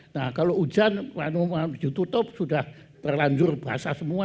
nah kalau hujan mau tutup sudah berlanjur basah semua